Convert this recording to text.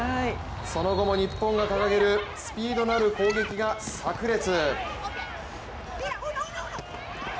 その後も日本が掲げるスピードのある攻撃がさく裂。